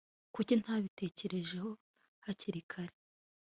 kuki ntabitekereje hakiri kare